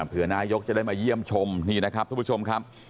เพื่อนายกจะได้มาเยี่ยมชมนี่นะครับทุกผู้ชมครับ